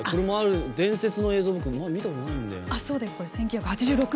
伝説の映像とか見たことないんだよな。